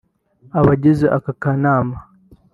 Abagize aka kanama